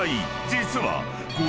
実は］